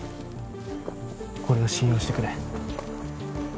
俺を信用してくれ。